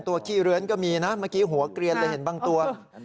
ขี้เลื้อนก็มีนะเมื่อกี้หัวเกลียนเลยเห็นบางตัว